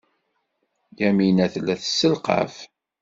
Yamina tella tesselqaf.